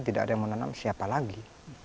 tidak ada yang menanam siapa lagi